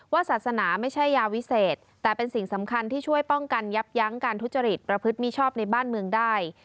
ศาสนาไม่ใช่ยาวิเศษแต่เป็นสิ่งสำคัญที่ช่วยป้องกันยับยั้งการทุจริตประพฤติมิชอบในบ้านเมืองได้